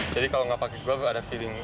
jadi kalau nggak pakai glove ada feeling